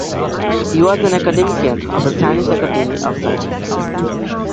He was an academician of the Chinese Academy of Sciences.